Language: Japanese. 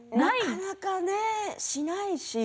なかなかしないし。